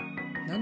何？